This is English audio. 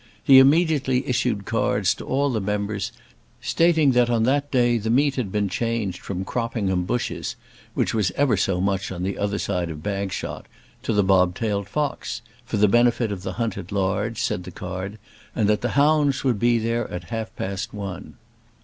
He immediately issued cards to all the members, stating that on that day the meet had been changed from Croppingham Bushes, which was ever so much on the other side of Bagshot, to The Bobtailed Fox, for the benefit of the hunt at large, said the card, and that the hounds would be there at half past one.